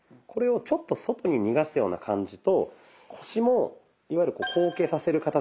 これをちょっと外に逃がすような感じと腰もいわゆる後傾させる